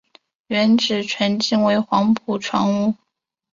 原址全境为黄埔船坞。